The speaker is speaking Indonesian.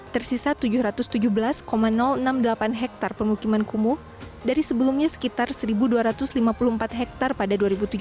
tersisa tujuh ratus tujuh belas enam puluh delapan hektare permukiman kumuh dari sebelumnya sekitar satu dua ratus lima puluh empat hektare pada dua ribu tujuh belas